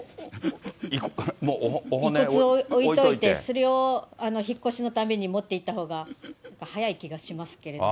遺骨を置いといて、それを引っ越しのたびに持っていったほうが早い気がしますけれども。